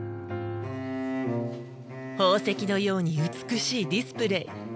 宝石のように美しいディスプレー。